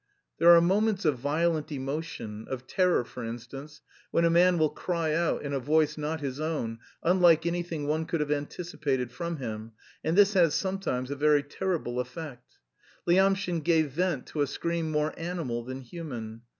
There are moments of violent emotion, of terror, for instance, when a man will cry out in a voice not his own, unlike anything one could have anticipated from him, and this has sometimes a very terrible effect. Lyamshin gave vent to a scream more animal than human.